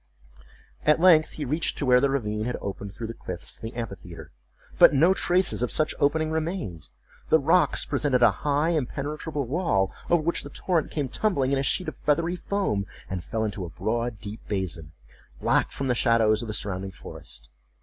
At length he reached to where the ravine had opened through the cliffs to the amphitheatre; but no traces of such opening remained. The rocks presented a high impenetrable wall over which the torrent came tumbling in a sheet of feathery foam, and fell into a broad deep basin, black from the shadows of the surrounding forest.